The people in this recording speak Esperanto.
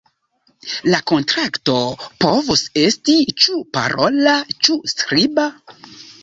La kontrakto povus esti ĉu parola ĉu skriba.